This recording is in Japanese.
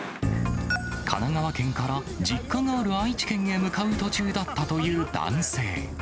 神奈川県から実家がある愛知県へ向かう途中だったという男性。